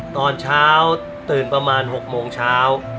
ตอนเช้าตื่นประมาณ๖โมงเช้า